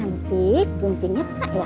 nanti guntingnya tak ya